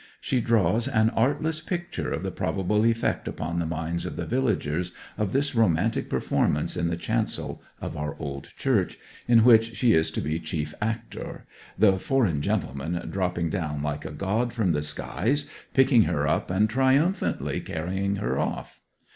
She draws an artless picture of the probable effect upon the minds of the villagers of this romantic performance in the chancel of our old church, in which she is to be chief actor the foreign gentleman dropping down like a god from the skies, picking her up, and triumphantly carrying her off.